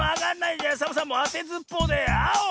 じゃあサボさんあてずっぽうであお！